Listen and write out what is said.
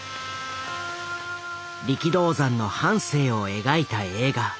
力道山の半生を描いた映画。